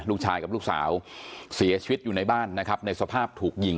ลูกชายกับลูกสาวเสียชีวิตอยู่ในบ้านนะครับในสภาพถูกยิง